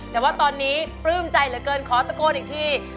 แต่ว่าตอนนี้ปลื้มใจเหลือเกินขอตะโกนอีกที